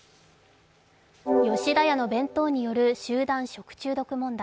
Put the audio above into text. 吉田屋の弁当による集団食中毒問題。